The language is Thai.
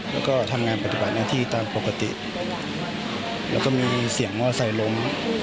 แล้วก็ทำงานปฏิบัติหน้าที่ตามปกติแล้วก็มีเสียงมอเซลล้ม